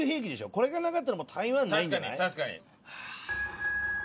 これがなかったらもう台湾ないんじゃない？はあ。